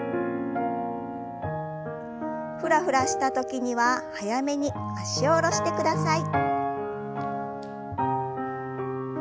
フラフラした時には早めに脚を下ろしてください。